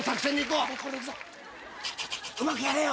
うまくやれよ。